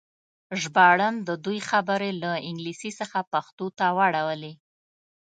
ژباړن د دوی خبرې له انګلیسي څخه پښتو ته واړولې.